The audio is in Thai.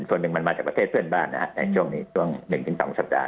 ส่วนหนึ่งมันมาจากประเทศเพื่อนบ้านนะฮะในช่วงนี้ช่วง๑๒สัปดาห